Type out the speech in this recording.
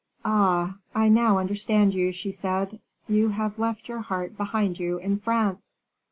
"Ah! I now understand you," she said; "you have left your heart behind you in France."